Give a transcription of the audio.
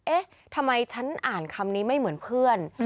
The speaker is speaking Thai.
เอ๊ะทำไมฉันอ่านคำนี้ไม่เหมือนเพื่อน